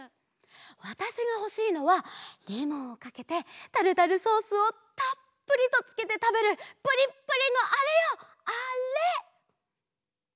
わたしがほしいのはレモンをかけてタルタルソースをたっぷりとつけてたべるプリップリのあれよあれ！